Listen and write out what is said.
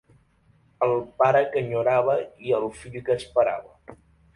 Al pare que enyorava i al fill que esperava.